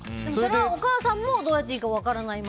お母さんもどうやっていいか分からないまま。